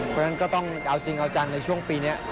เพราะฉะนั้นก็ต้องเอาจริงเอาจังในช่วงปีนี้